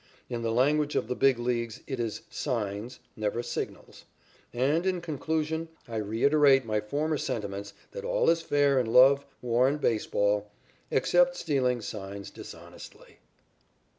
In the language of the Big Leagues it is "signs," never "signals." And in conclusion I reiterate my former sentiments that all is fair in love, war and baseball except stealing signs dishonestly.